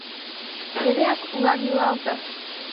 Эреак улан илалза!